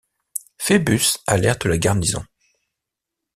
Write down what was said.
Phoebus alerte la garnison.